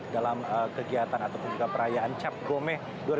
dalam kegiatan atau juga perayaan cap gome dua ribu delapan belas